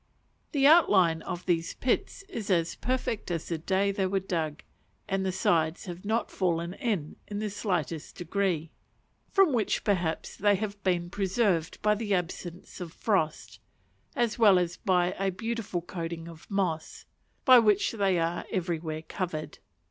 The outline of these pits is as perfect as the day they were dug, and the sides have not fallen in in the slightest degree; from which perhaps they have been preserved by the absence of frost, as well as by a beautiful coating of moss, by which they are everywhere covered.